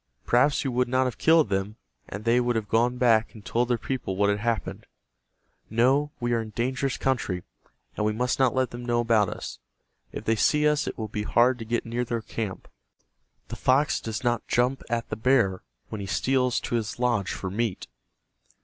"Perhaps you would not have killed them, and they would have gone back and told their people what had happened. No, we are in a dangerous country, and we must not let them know about us. If they see us it will be hard to get near their camp. The fox does not jump at the bear when he steals to his lodge for meat."